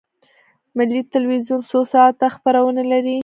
ملي تلویزیون څو ساعته خپرونې لري؟